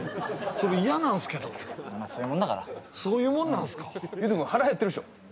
それ嫌なんすけどまそういうもんだからそういうもんなんすかユウト君腹へってるでしょ